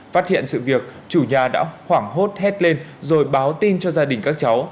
phát hiện sự việc chủ nhà đã khoảng hốt hét lên rồi báo tin cho gia đình các cháu